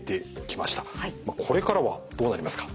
これからはどうなりますか？